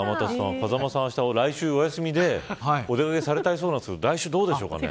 風間さん、来週お休みでお出掛けされるそうなんですが来週どうですかね。